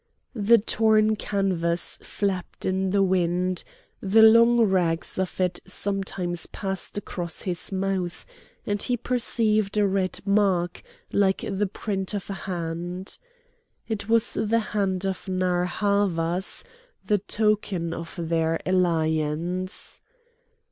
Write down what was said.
The torn canvas flapped in the wind; the long rags of it sometimes passed across his mouth, and he perceived a red mark like the print of a hand. It was the hand of Narr' Havas, the token of their alliance.